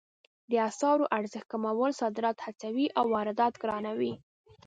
د اسعارو ارزښت کمول صادرات هڅوي او واردات ګرانوي